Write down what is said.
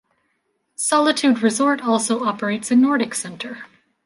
Solitude Resort also operates a nordic center.